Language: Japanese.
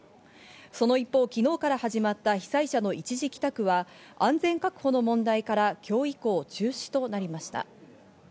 その一方、昨日から始まった被災者の一時帰宅は、安全確保の問題から今日以降中止となりました。